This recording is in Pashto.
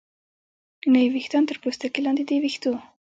نوي ویښتان تر پوستکي لاندې د ویښتو